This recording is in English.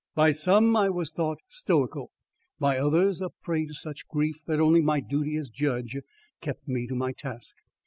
By some I was thought stoical; by others, a prey to such grief that only my duty as judge kept me to my task.